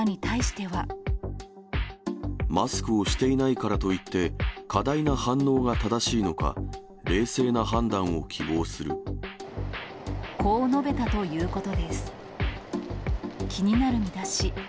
マスクをしていないからといって、過大な反応が正しいのか、こう述べたということです。